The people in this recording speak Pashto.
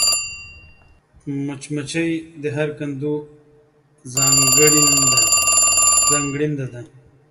مچمچۍ د هر کندو ځانګړېنده ده